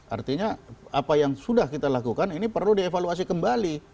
artinya apa yang sudah kita lakukan ini perlu dievaluasi kembali